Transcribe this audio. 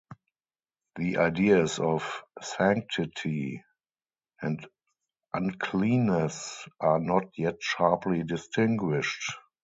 The ideas of sanctity and uncleanness are not yet sharply distinguished.